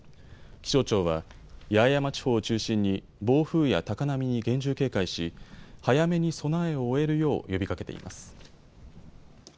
気象庁は八重山地方を中心に暴風や高波に厳重警戒し、早めに備えを終えるよう呼びかけています。